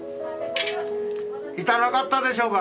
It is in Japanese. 痛なかったでしょうが。